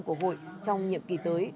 của hội trong nhiệm kỳ tới